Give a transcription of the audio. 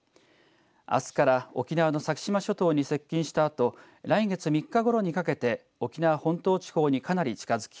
あすから沖縄の先島諸島に接近したあと来月３日ごろにかけて沖縄本島地方にかなり近づき